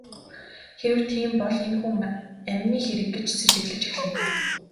Хэрэв тийм бол энэ хүн амины хэрэг гэж сэжиглэж эхэлнэ.